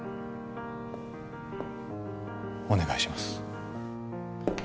お願いします